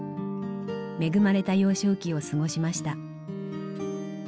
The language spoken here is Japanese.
恵まれた幼少期を過ごしました。